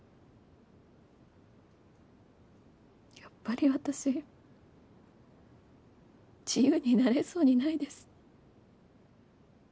やっぱり私自由になれそうにないです。